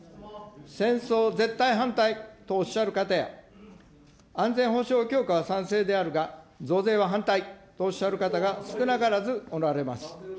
戦争絶対反対とおっしゃる方や、安全保障強化は賛成であるが、増税は反対とおっしゃる方が少なからずおられます。